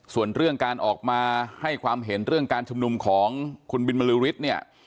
ส่วนเรื่องการออกมาให้ความเห็นเรื่องการชุมนุมของคุณบินบรือฤทธิ์เนี่ย